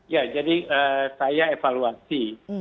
ya jadi saya evaluasi